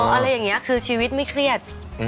อะไรอย่างนี้คือชีวิตไม่เครียด